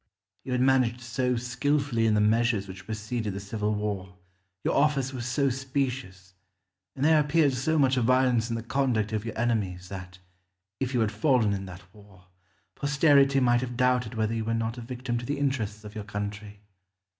You had managed so skilfully in the measures which preceded the civil war, your offers were so specious, and there appeared so much violence in the conduct of your enemies that, if you had fallen in that war, posterity might have doubted whether you were not a victim to the interests of your country.